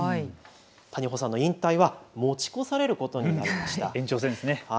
谷保さんの引退は持ち越されることになりました。